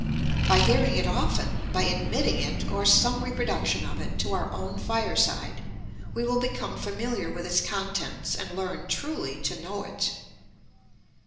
By hearing it often, by admitting it, or some reproduction of it, to our own fireside, we will become familiar with its contents and learn truly to know it.